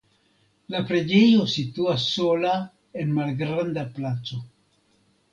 La preĝejo situas sola en malgranda placo.